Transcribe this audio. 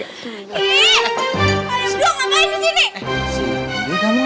paling belum ngapain disini